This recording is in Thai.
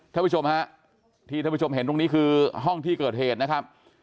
ท่ากระชบนะฮะที่คุณผู้ชมเห็นตรงนี้คือฮ่องที่เกิดเหตุนะครับ